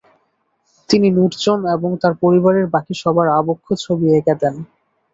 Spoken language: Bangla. তিনি নুটজন এবং তার পরিবারের বাকি সবার আবক্ষ ছবি এঁকে দেন।